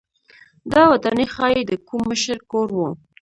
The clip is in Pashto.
دا ودانۍ ښايي د کوم مشر کور و.